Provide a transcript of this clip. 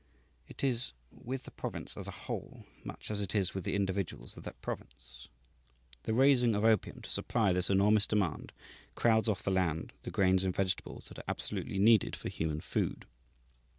It is with the province as a whole much as it is with the individuals of that province. The raising of opium to supply this enormous demand crowds off the land the grains and vegetables that are absolutely needed for human food.